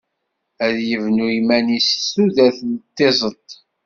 Ad d-yebnu iman-is s tudert n tiẓedt.